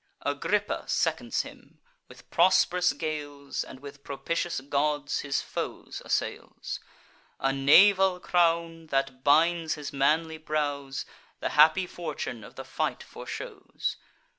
Agrippa seconds him, with prosp'rous gales, And, with propitious gods, his foes assails: A naval crown, that binds his manly brows, The happy fortune of the fight foreshows.